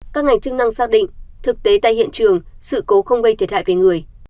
các ngành chức năng xác định thực tế tại hiện trường sự cố không gây thiệt hại về người